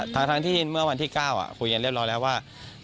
ทั้งที่เมื่อวันที่๙คุยกันเรียบร้อยแล้วว่า